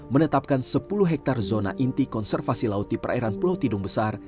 menetapkan sepuluh hektare zona inti konservasi laut di perairan pulau tidung besar